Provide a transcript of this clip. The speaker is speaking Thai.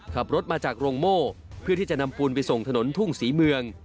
ขับรถมาจากโรงโม่เพื่อที่จะนำปูนไปส่งถนนทุ่งศรีเมือง